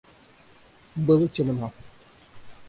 Было темно.